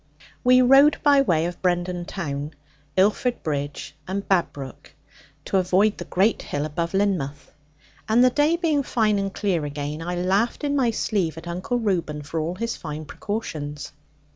We rode by way of Brendon town, Illford Bridge, and Babbrook, to avoid the great hill above Lynmouth; and the day being fine and clear again, I laughed in my sleeve at Uncle Reuben for all his fine precautions.